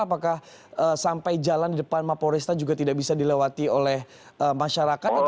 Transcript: apakah sampai jalan depan mapolresta juga tidak bisa dilewati oleh masyarakat